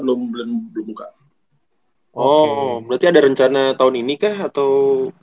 oh berarti ada rencana tahun ini kah atau